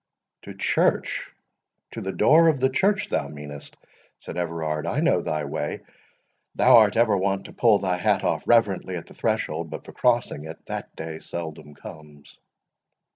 "To church!—to the door of the church, thou meanest," said Everard. "I know thy way—thou art ever wont to pull thy hat off reverently at the threshold; but for crossing it, that day seldom comes."